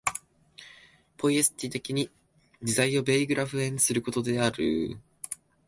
ポイエシス的に実在をベグライフェンすることである。